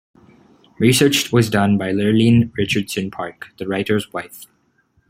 Research was done by Lurline Richardson Park, the writer's wife.